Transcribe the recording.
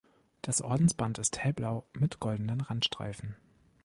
Das Ordensband ist hellblau mit goldenen Randstreifen.